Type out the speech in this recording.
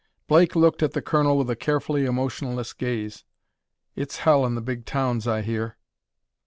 Blake looked at the colonel with a carefully emotionless gaze. "It's hell in the big towns, I hear."